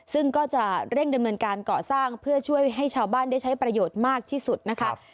ซึ่งก็จะเร่งดำเนินการก่อสร้างเพื่อช่วยให้ชาวบ้านได้ใช้ประโยชน์มากที่สุดนะคะ